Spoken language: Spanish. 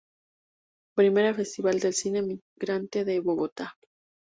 I Festival de Cine Migrante de Bogotá.